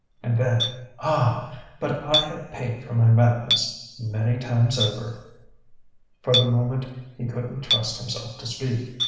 And then ah, but I have paid for my madness many times over!..." For the moment he couldn't trust himself to speak.